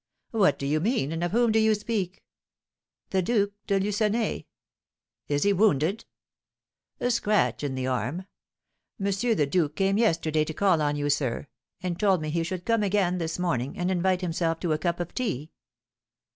"What do you mean, and of whom do you speak?" "The Duke de Lucenay." "Is he wounded?" "A scratch in the arm. M. the Duke came yesterday to call on you, sir, and told me he should come again this morning, and invite himself to a cup of tea."